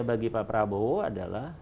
bagi pak prabowo adalah